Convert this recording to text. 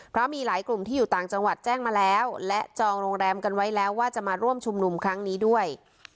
เพราะมีหลายกลุ่มที่อยู่ต่างจังหวัดแจ้งมาแล้วและจองโรงแรมกันไว้แล้วว่าจะมาร่วมชุมนุมครั้งนี้ด้วย